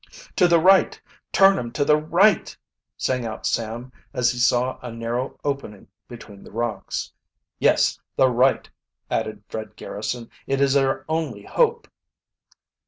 "To the right turn 'em to the right!" sang out Sam, as he saw a narrow opening between the rocks. "Yes, the right!" added Fred Garrison. "It is our only hope!"